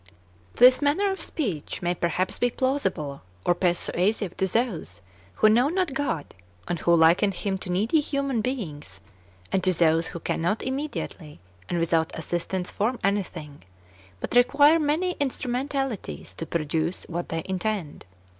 4. This manner of speech may perhaps be plausible or persuasive to those who know not God, and who liken Him to needy human beings, and to those who cannot immediately and without assistance form anything, but require many in strumentalities to produce what they intend.